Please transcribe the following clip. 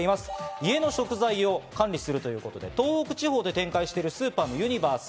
家の食材を管理するということで、東北地方で展開しているスーパーのユニバース。